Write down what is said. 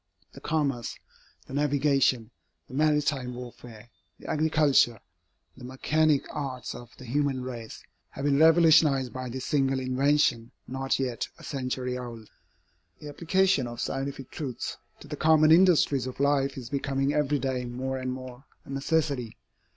The commerce, the navigation, the maritime warfare, the agriculture, the mechanic arts of the human race, have been revolutionized by this single invention not yet a century old. The application of scientific truths to the common industries of life is becoming every day more and more a necessity.